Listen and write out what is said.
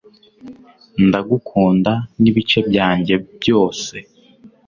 ndagukunda n'ibice byanjye byose